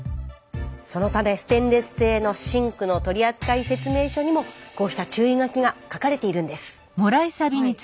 そのためステンレス製のシンクの取扱説明書にもこうした注意書きが書かれているんです。